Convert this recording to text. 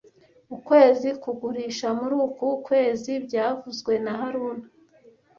Ukwezi kugurisha muri uku kwezi byavuzwe na haruna